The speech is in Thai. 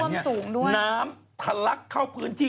ีย่วยน้ำพลักเข้าพื้นที่